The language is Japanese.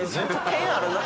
剣あるな。